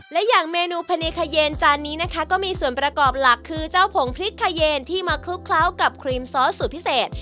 และอย่างเมนูพะเนคเยนจานนี้นะคะก็มีส่วนประกอบหลักคือเจ้าผงพริกขเยนที่มาคลุกเคล้ากับครีมซอสสูตรพิเศษ